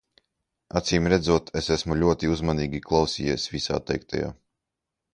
Acīmredzot es esmu ļoti uzmanīgi klausījies visā teiktajā.